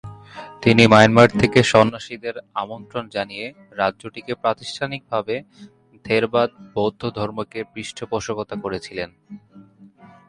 তিনি মায়ানমার থেকে সন্ন্যাসীদের আমন্ত্রণ জানিয়ে রাজ্যটিতে প্রাতিষ্ঠানিকভাবে থেরবাদ বৌদ্ধ ধর্মকে পৃষ্ঠপোষকতা করেছিলেন।